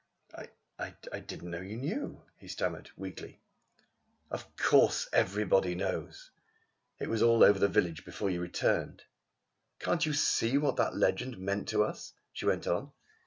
"I I didn't know you knew," he stammered weakly. "Of course everybody knows! It was all over the village before you returned. "Can't you see what that legend meant to us?" she went on.